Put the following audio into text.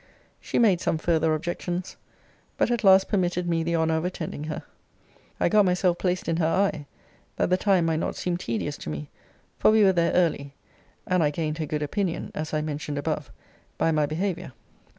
She made some further objections: but at last permitted me the honour of attending her. I got myself placed in her eye, that the time might not seem tedious to me, for we were there early. And I gained her good opinion, as I mentioned above, by my behaviour.